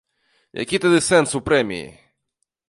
Які тады сэнс у прэміі?